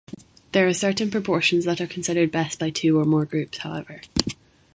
There are certain proportions that are considered best by two or more groups however.